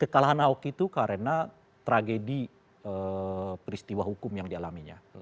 kekalahan ahok itu karena tragedi peristiwa hukum yang dialaminya